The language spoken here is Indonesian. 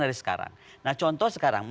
dari sekarang nah contoh sekarang